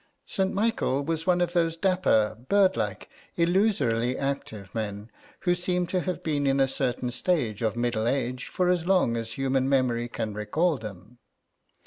St. Michael was one of those dapper bird like illusorily active men, who seem to have been in a certain stage of middle age for as long as human memory can recall them.